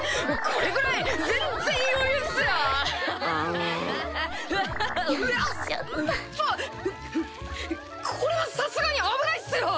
これはさすがに危ないっすよ！